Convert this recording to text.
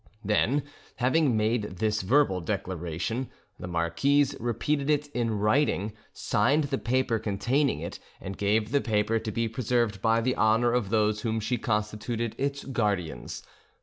Then, having made this verbal declaration, the marquise repeated it in writing, signed the paper containing it, and gave the paper to be preserved by the honour of those whom she constituted its guardians.